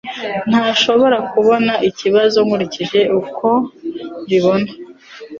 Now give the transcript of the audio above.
Ntashobora kubona ikibazo nkurikije uko mbibona.